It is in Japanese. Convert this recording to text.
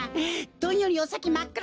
どんよりおさきまっくら